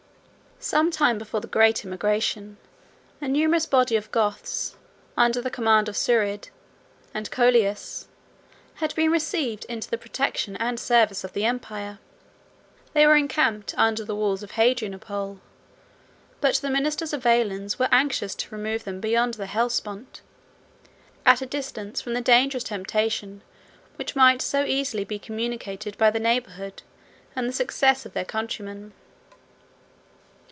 Some time before the great emigration, a numerous body of Goths, under the command of Suerid and Colias, had been received into the protection and service of the empire. 73 They were encamped under the walls of Hadrianople; but the ministers of Valens were anxious to remove them beyond the Hellespont, at a distance from the dangerous temptation which might so easily be communicated by the neighborhood, and the success, of their countrymen.